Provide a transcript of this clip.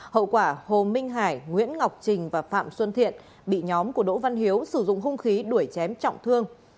hậu quả hồ minh hải nguyễn ngọc trình và phạm xuân thiện bị nhóm của đỗ văn hiếu sử dụng hung khí đuổi chém trọng thương